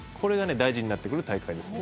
大事になってくる大会ですね。